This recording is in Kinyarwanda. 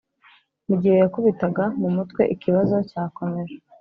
mugihe yakubitaga mumutwe ikibazo cyakomeje,